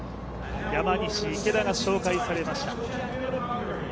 山西、池田が紹介されました。